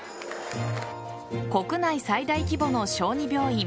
国内最大規模の小児病院